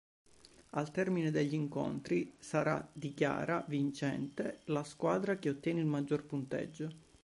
Al termine degli incontri sarà dichiara vincente la squadra che ottiene il maggior punteggio.